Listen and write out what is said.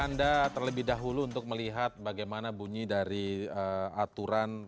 dan kemudian saya ajak anda terlebih dahulu untuk melihat bagaimana bunyi dari aturan